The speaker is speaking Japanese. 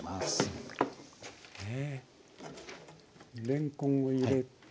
れんこんを入れて。